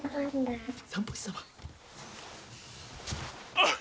「あっ！